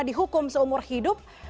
dihukum seumur hidup